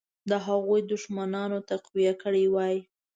د هغوی دښمنان تقویه کړي وای.